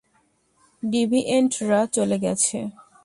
ডিভিয়েন্টরা চলে গেছে।